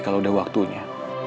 kalau udah waktunya